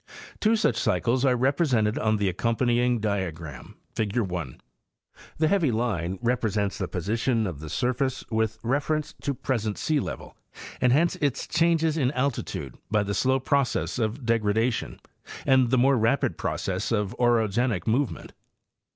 Two such cycles are represented on the accompanying diagram, figure 1. The heavy line represents the position of the surface with reference to present sealevel, and hence its changes in alti tude, by the slow process of degradation and the more rapid process of orogenic movement.